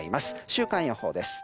週間予報です。